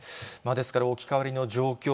ですから置き換わりの状況、